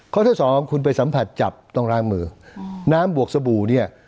ที่สองคุณไปสัมผัสจับต้องล้างมือน้ำบวกสบู่เนี่ย